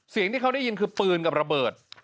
เสียงที่เขาได้ยินคือปืนกับระเบิด